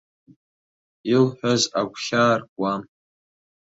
Илҳәаз агәхьаа ркуам.